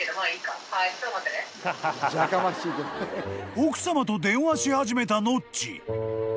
［奥さまと電話し始めたノッチ］